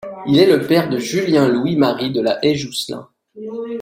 Il est le père de Julien-Louis-Marie de La Haye-Jousselin.